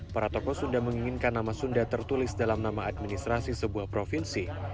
para tokoh sunda menginginkan nama sunda tertulis dalam nama administrasi sebuah provinsi